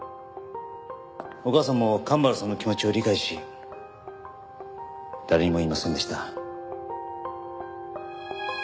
お母さんも神原さんの気持ちを理解し誰にも言いませんでした。